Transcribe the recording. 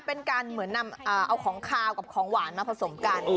เป็นการเหมือนนำเอาของขาวกับของหวานมาผสมกัน